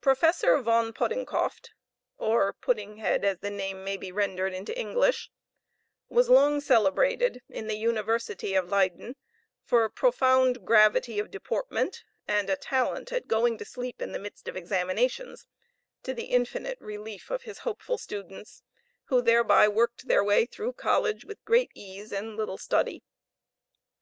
Professor Von Poddingcoft (or Puddinghead, as the name may be rendered into English) was long celebrated in the University of Leyden for profound gravity of deportment and a talent at going to sleep in the midst of examinations, to the infinite relief of his hopeful students, who thereby worked their way through college with great ease and little study.